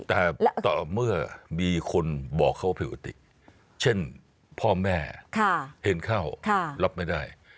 แต่ต่อเมื่อมีคนบอกเขาผิดปกติเช่นพ่อแม่เห็นเข้ารับไม่ได้